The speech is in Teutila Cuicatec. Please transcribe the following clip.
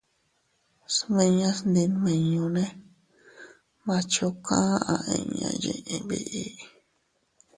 Smiñas ndimiñunne «Machuca» aʼa inña yiʼi biʼi.